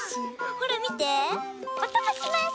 ほらみておともします！